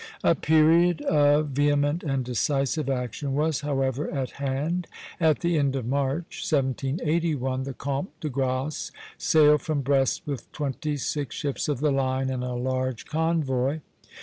A period of vehement and decisive action was, however, at hand. At the end of March, 1781, the Comte de Grasse sailed from Brest with twenty six ships of the line and a large convoy.